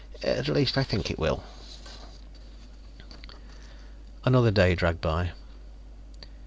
"At least I think it will." Another day dragged by.